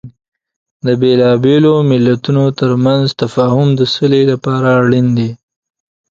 د بیلابیلو مليتونو ترمنځ تفاهم د سولې لپاره اړین دی.